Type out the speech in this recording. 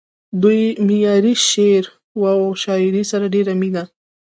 دوي معياري شعر و شاعرۍ سره ډېره مينه